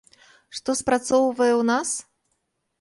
Што спрацоўвае ў нас?